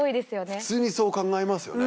普通にそう考えますよね